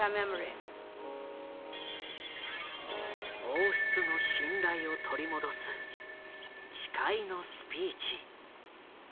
王室の信頼を取り戻す誓いのスピーチ。